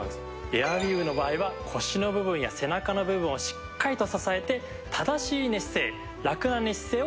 エアウィーヴの場合は腰の部分や背中の部分をしっかりと支えて正しい寝姿勢ラクな寝姿勢を保つ事ができるんです。